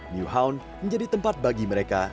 nyhamf menjadi tempat bagi mereka